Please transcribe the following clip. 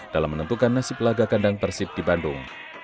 dalam menentukan nasib laga kandang persib di bandung